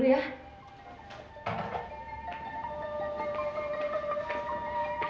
dewi sudah dulu ya